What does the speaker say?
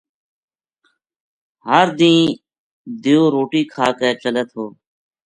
ہر دینہ دیو روٹی کھا کے چلے تھو